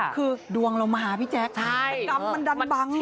คือดวงเรามาพี่แจ๊คมันดันบังเยอะ